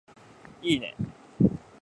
いいね